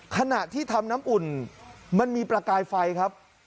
ขณะที่ทำน้ำอุ่นมันมีประกายไฟครับ